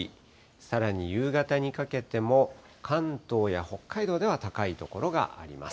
さらに夕方にかけても、関東や北海道では高い所があります。